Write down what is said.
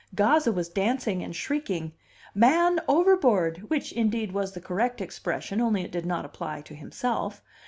Gazza was dancing and shrieking, "Man overboard!" which, indeed, was the correct expression, only it did not apply to himself.